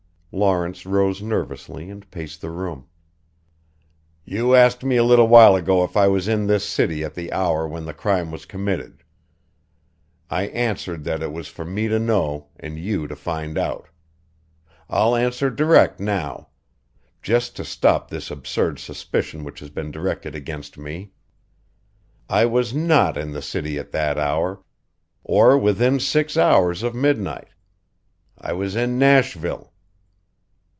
Lawrence rose nervously and paced the room. "You asked me a little while ago if I was in this city at the hour when the crime was committed. I answered that it was for me to know and you to find out. I'll answer direct now just to stop this absurd suspicion which has been directed against me: I was not in the city at that hour or within six hours of midnight. I was in Nashville."